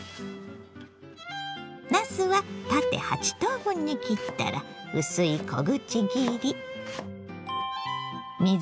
なすは縦８等分に切ったら薄い小口切り。